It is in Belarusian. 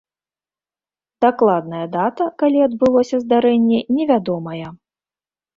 Дакладная дата, калі адбылося здарэнне, невядомая.